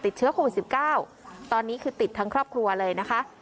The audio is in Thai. ติดเชื้อโควิด๑๙ตอนนี้คือติดทั้งครอบครัวเลยนะคะ